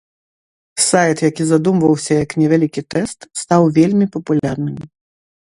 Сайт, які задумваўся як невялікі тэст, стаў вельмі папулярным.